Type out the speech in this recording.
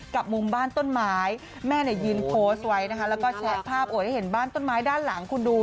กับมุมบ้านต้นไม้แม่ยินโพสต์ไว้แล้วก็แชร์ภาพโอ๊ยได้เห็นบ้านต้นไม้ด้านหลังคุณดู